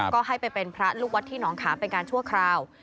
ก็ให้ไปเป็นพระลูกวัดที่หนองขามเป็นการชั่วคราว